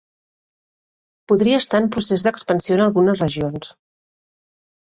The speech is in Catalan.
Podria estar en procés d'expansió en algunes regions.